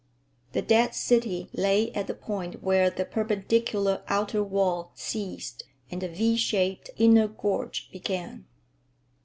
The dead city lay at the point where the perpendicular outer wall ceased and the V shaped inner gorge began.